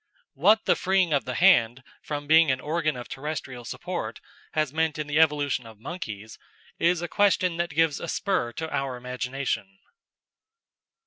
What the freeing of the hand from being an organ of terrestrial support has meant in the evolution of monkeys is a question that gives a spur to our imagination.